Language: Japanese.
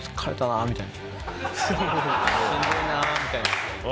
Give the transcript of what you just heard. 「しんどいな」みたいな。